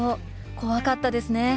怖かったですね。